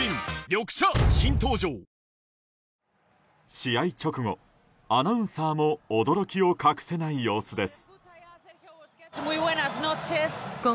試合直後、アナウンサーも驚きを隠せない様子です。